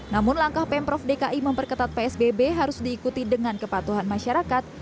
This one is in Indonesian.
namun langkah pemprov dki memperketat psbb harus diikuti dengan kepatuhan masyarakat